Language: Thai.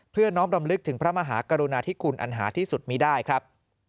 น้อมรำลึกถึงพระมหากรุณาธิคุณอันหาที่สุดมีได้ครับ